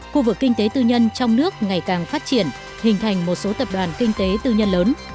khu vực kinh tế tư nhân trong nước ngày càng phát triển hình thành một số tập đoàn kinh tế tư nhân lớn